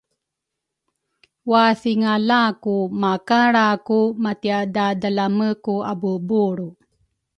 Wathingala ku makalra ku matiadadalame ku abuubulru